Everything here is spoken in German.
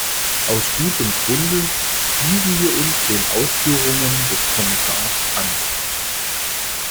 Aus gutem Grunde schließen wir uns den Ausführungen des Kommissars an.